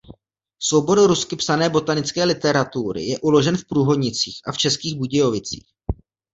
Soubor rusky psané botanické literatury je uložen v Průhonicích a v Českých Budějovicích.